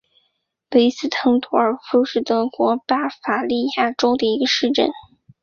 韦斯滕多尔夫是德国巴伐利亚州的一个市镇。